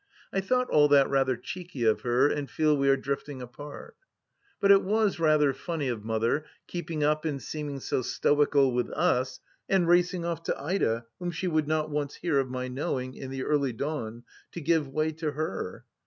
I thought all that rather cheeky of her, and feel we are drifting apart. But it was rather funny of Mother keeping up and seeming so stoical with us and racing off to Ida, whom she would not once hear of my knowing, in the early dawn, to give way to her